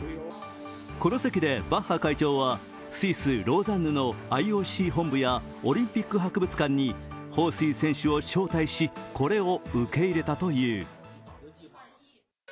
この席でバッハ会長は、スイス・ローザンヌのＩＯＣ本部やオリンピック博物館に彭帥選手を招待し、これを受け入れたという。